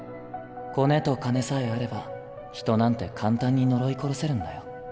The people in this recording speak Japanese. コネと金さえあれば人なんて簡単に呪い殺せるんだよ。